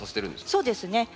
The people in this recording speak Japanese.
そうですね。